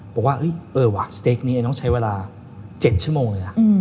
บอกว่าเออว่ะสเต๊กนี้ต้องใช้เวลา๗ชั่วโมงเลย